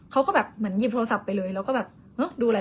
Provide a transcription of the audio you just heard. เขาก็แบบเหมือนหยิบโทรศัพท์ไปเลยแล้วก็แบบเฮ้ยดูอะไร